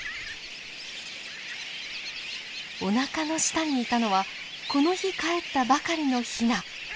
おなかの下にいたのはこの日かえったばかりのヒナ。